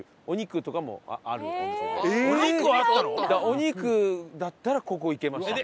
お肉だったらここいけましたね。